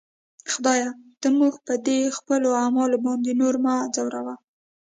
خدایه! ته موږ په دې خپلو اعمالو باندې نور مه ځوروه.